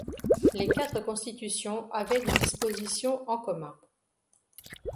Les quatre constitutions avaient des dispositions en commun.